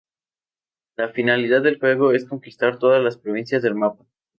La finalidad del juego es conquistar todas las provincias del mapa.